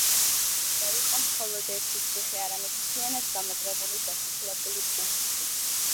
ის არ იყო მხოლოდ ერთი ციხე, არამედ მთლიანად გამაგრებული დასახლებული პუნქტი.